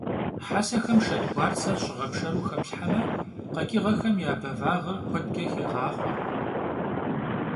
Hesexem şşedguartser ş'ığepşşeru xeplhheme, kheç'ığexem ya bevağır kuedç'e xêğaxhue.